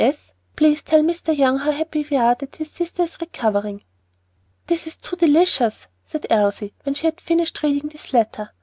S. Please tell Mr. Young how happy we are that his sister is recovering. "This is too delicious!" said Elsie, when she had finished reading this letter.